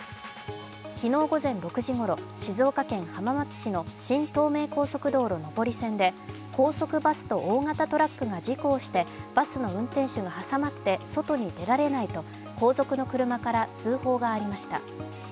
昨日午前６時ごろ、静岡県浜松市の新東名高速道路上り線で高速バスと大型トラックが事故をしてバスの運転手が挟まって外に出られないと後続の車から通報がありました。